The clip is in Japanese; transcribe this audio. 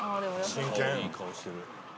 「真剣」「いい顔してる」